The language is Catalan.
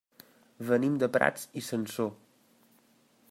Venim de Prats i Sansor.